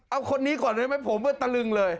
เอาคนนี้ก่อนให้ผมเพื่อตะลึงเลย